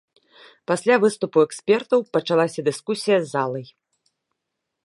Пасля выступу экспертаў пачалася дыскусія з залай.